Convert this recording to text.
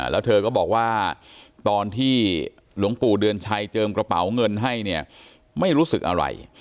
แล้วเธอก็บอกว่าตอนที่หลวงปู่เดือนชัยเจิมกระเป๋าเงินให้เนี่ยไม่รู้สึกอะไร